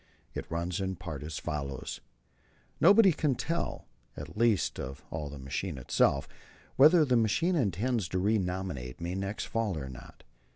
It runs in part as follows: "Nobody can tell, and least of all the machine itself, whether the machine intends to renominate me next fall or not.